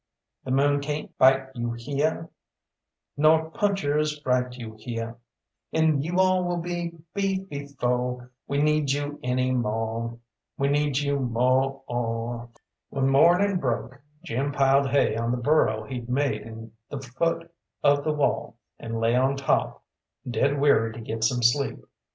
The moon cayn't bite you heah, Nor punchers fright you heah, And you all will be beef befo' We need you any mo' We need you mo'!" When morning broke Jim piled hay on the burrow he'd made in the foot of the wall, and lay on top, dead weary to get some sleep.